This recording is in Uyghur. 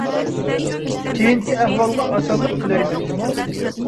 كېيىنكى ئەھۋالىغا ئاسانلىق تىلەيمەن جۇمۇ!